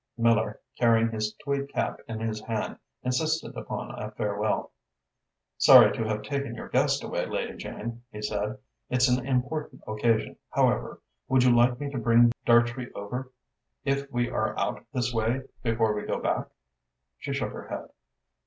Miller, carrying his tweed cap in his hand, insisted upon a farewell. "Sorry to have taken your guest away, Lady Jane," he said. "It's an important occasion, however. Would you like me to bring Dartrey over, if we are out this way before we go back?" She shook her head.